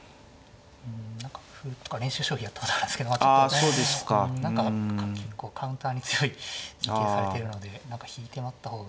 何か歩とか練習将棋やったことあるんですけどちょっと何か結構カウンターに強い陣形されているので何か引いて待った方が。